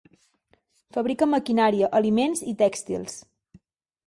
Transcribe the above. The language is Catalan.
Fabrica maquinària, aliments i tèxtils.